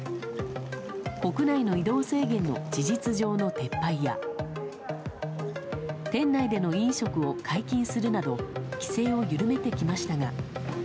国内の移動制限の事実上の撤廃や店内での飲食を解禁するなど規制を緩めてきましたが。